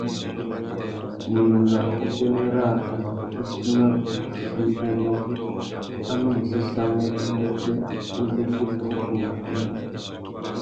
Nà utênê râā, a mà kutu tina wuchi uwú a nu mù séssamú umbêtê uzu ukutu nà unúmútú.